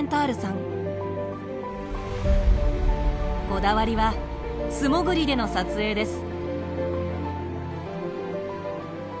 こだわりは素潜りでの撮影です。